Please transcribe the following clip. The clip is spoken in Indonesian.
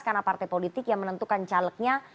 karena partai politik yang menentukan calegnya